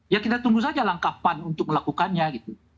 ya kita tunggu saja langkapan untuk melakukannya gitu